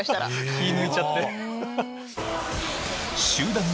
気ぃ抜いちゃって。